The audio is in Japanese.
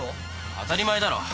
当たり前だろ。